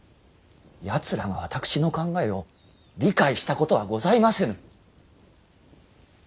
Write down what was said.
やつらが私の考えを理解したことはございませぬ。